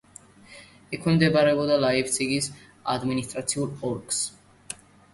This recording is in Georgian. ექვემდებარებოდა ლაიფციგის ადმინისტრაციულ ოლქს.